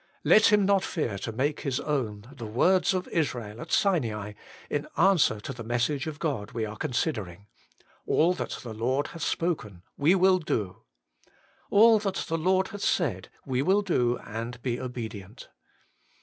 Let him not fear to make his own the words of Israel at Sinai, in answer to the message of God we are considering : HOLINESS AND OBEDIENCE. 69 ' All that the Lord hath spoken, we, will do ;'' All that the Lord hath said will we do, and be obedient.'